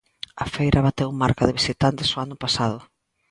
A feira bateu marca de visitantes o ano pasado.